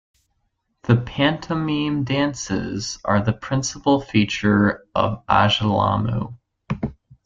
The Pantomime dances are the principle feature of Ajilamu.